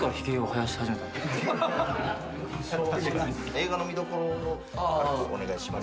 映画の見どころをお願いします。